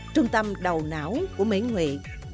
trung tâm đầu não của miễn nguyện